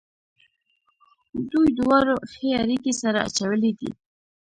دوی دواړو ښې اړېکې سره اچولې دي.